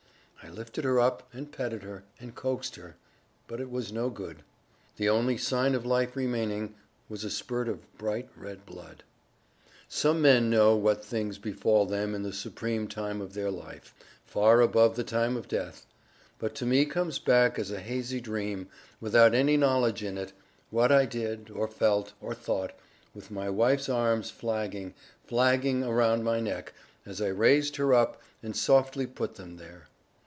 I lifted her up, and petted her, and coaxed her, but it was no good; the only sign of life remaining was a spurt of bright red blood. Some men know what things befall them in the supreme time of their life far above the time of death but to me comes back as a hazy dream, without any knowledge in it, what I did, or felt, or thought, with my wife's arms flagging, flagging, around my neck, as I raised her up, and softly put them there.